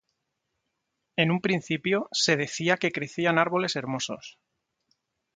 En un principio, se decía que crecían arboles hermosos.